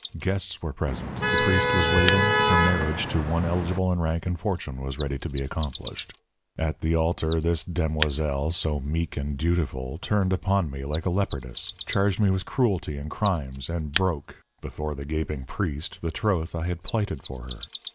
Guests were present; the priest was waiting; her marriage to one eligible in rank and fortune was ready to be accomplished. At the alter this demoiselle, so meek and dutiful, turned upon me like a leopardess, charged me with cruelty and crimes, and broke, before the gaping priest, the troth I had plighted for her.